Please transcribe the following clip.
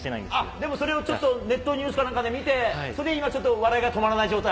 でもそれをネットニュースかなんかで見て、それで今、ちょっと笑いが止まらない状態？